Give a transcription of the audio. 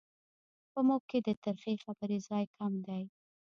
په موږ کې د ترخې خبرې ځای کم دی.